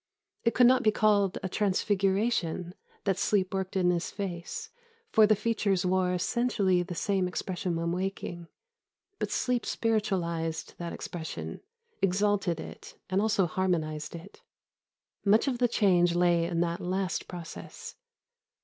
It could not be called a transfiguration that sleep worked in his face; for the features wore essentially the same expression when waking; but sleep spiritualised that expression, exalted it, and also harmonised it. Much of the change lay in that last process.